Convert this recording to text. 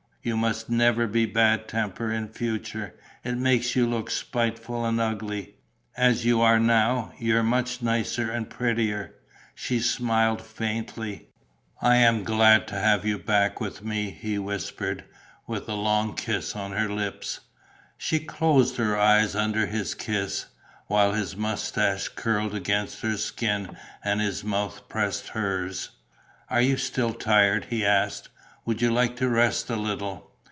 You must never be bad tempered in future. It makes you look spiteful and ugly. As you are now, you're much nicer and prettier." She smiled faintly. "I am glad to have you back with me," he whispered, with a long kiss on her lips. She closed her eyes under his kiss, while his moustache curled against her skin and his mouth pressed hers. "Are you still tired?" he asked. "Would you like to rest a little?"